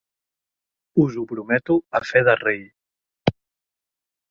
Us ho prometo a fe de rei.